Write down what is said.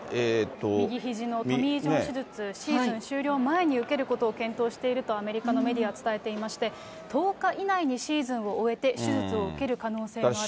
右ひじのトミー・ジョン手術、シーズン終了前に受けることを検討しているとアメリカのメディア、伝えていまして、１０日以内にシーズンを終えて、手術を受ける可能性もあると。